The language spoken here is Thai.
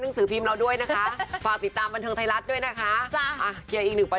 นังสือพิมพ์ไทยรัฐนะคะหรือว่า